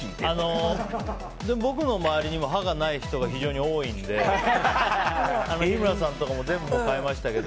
僕の周りにも歯がない人が非常に多いので日村さんとかも全部、変えましたけど。